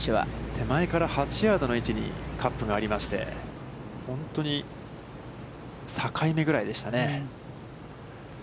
手前から８ヤードの位置に、カップがありまして、本当に、境目ぐらいでしたね。